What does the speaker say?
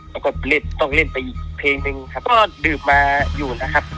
แล้วก็เล่นต้องเล่นไปอีกเพลงหนึ่งครับก็ดื่มมาอยู่นะครับ